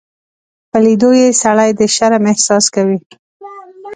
په لیدو یې سړی د شرم احساس کوي.